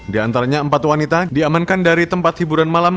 di antaranya empat wanita diamankan dari tempat hiburan malam